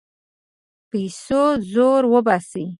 پیسو زور وباسي.